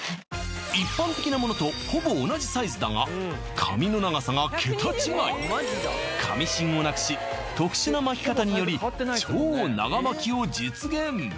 一般的なものとほぼ同じサイズだが紙芯をなくし特殊な巻き方により超長巻を実現